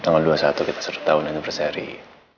tanggal dua puluh satu kita seru tahun anniversary